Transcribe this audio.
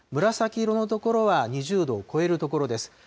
紫色の所は２０度を超える所です。